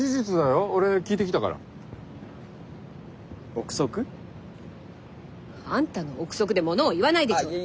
臆測。あんたの臆測でものを言わないでちょうだい。